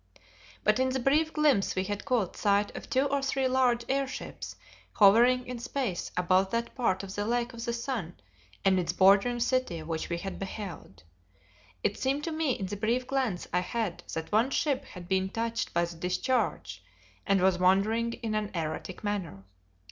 But in the brief glimpse we had caught sight of two or three large air ships hovering in space above that part of the Lake of the Sun and its bordering city which we had beheld. It seemed to me in the brief glance I had that one ship had been touched by the discharge and was wandering in an erratic manner.